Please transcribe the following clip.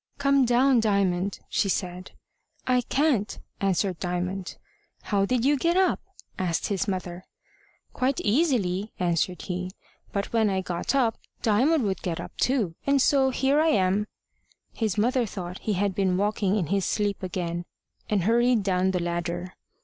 "Come down, Diamond," she said. "I can't," answered Diamond. "How did you get up?" asked his mother. "Quite easily," answered he; "but when I got up, Diamond would get up too, and so here I am." His mother thought he had been walking in his sleep again, and hurried down the ladder.